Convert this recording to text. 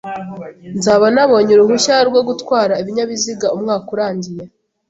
Nzaba nabonye uruhushya rwo gutwara ibinyabiziga umwaka urangiye.